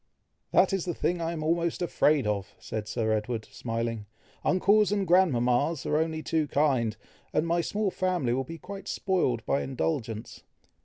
"That is the thing I am almost afraid of!" said Sir Edward, smiling. "Uncles and grandmamas are only too kind, and my small family will be quite spoiled by indulgence."